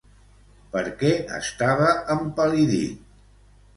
Per què estava empal·lidit?